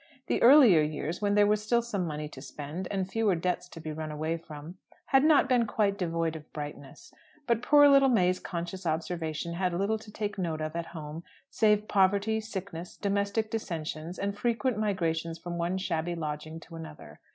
The earlier years, when there was still some money to spend, and fewer debts to be run away from, had not been quite devoid of brightness. But poor little May's conscious observation had little to take note of at home save poverty, sickness, domestic dissensions, and frequent migrations from one shabby lodging to another.